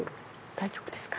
大丈夫ですか？